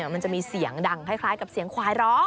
มันจะมีเสียงดังคล้ายกับเสียงควายร้อง